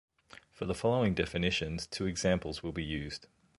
For the following definitions, two examples will be used.